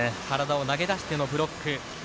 体を投げ出してのブロック。